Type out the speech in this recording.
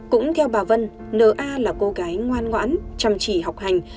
cũng theo bà vân na là cô gái ngoan ngoãn chăm chỉ học hành